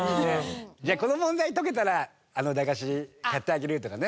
「じゃあこの問題解けたらあの駄菓子買ってあげる」とかね。